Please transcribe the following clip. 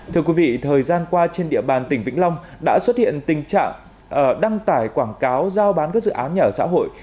thưa quý vị thời gian qua trên địa bàn tỉnh vĩnh long đã xuất hiện tình trạng đăng tải quảng cáo giao bán các dự án nhà ở xã hội